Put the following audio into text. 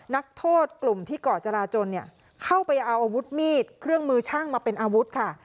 นักโทษกลุ่มที่เกาะจราจนเนี่ยเข้าไปเอาอาวุธมีดเครื่องมือช่างมาเป็นอาวุธค่ะ